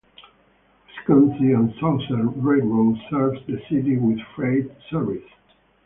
Wisconsin and Southern Railroad serves the city with freight service.